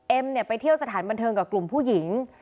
ไปเที่ยวสถานบันเทิงกับกลุ่มผู้หญิง